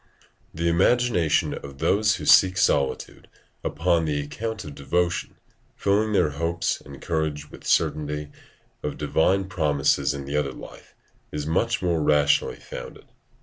The imagination of those who seek solitude upon the account of devotion, filling their hopes and courage with certainty of divine promises in the other life, is much more rationally founded.